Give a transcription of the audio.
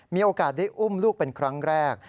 มีโอกาสได้อุ้มลูกเป็นครั้งแรก